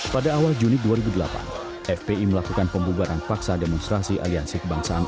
pada awal juni dua ribu delapan fpi melakukan pembubaran paksa demonstrasi aliansi kebangsaan